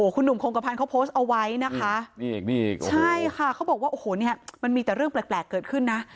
คุณหนุ่มโครงกระพันธ์เขาโพสต์เอาไว้นะคะมันมีแต่เรื่องแปลกเกิดขึ้นนะ